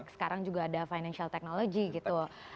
sekarang juga ada financial technology gitu